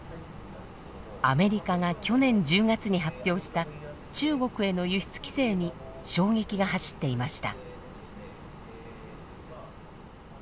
アメリカが去年１０月に発表した中国への輸出規制に衝撃が走っていました。